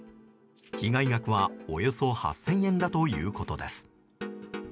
被害額は、およそ８０００円だということです。